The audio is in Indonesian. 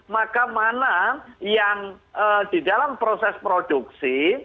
maka mana yang di dalam proses produksi